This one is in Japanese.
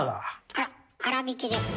あらびきですね。